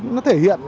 nó thể hiện